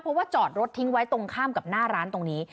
เพราะว่าจอดรถทิ้งไว้ตรงข้ามกับหน้าร้านตรงนี้